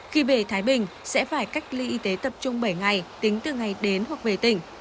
khi về thái bình sẽ phải cách ly y tế tập trung bảy ngày tính từ ngày đến hoặc về tỉnh